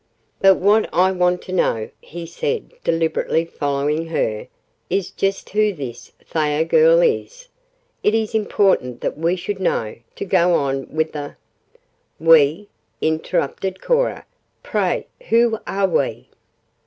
"But what I want to know," he said, deliberately following her, "is just who this Thayer girl is. It is important that we should know, to go on with the " "We!" interrupted Cora. "Pray, who are 'we'?"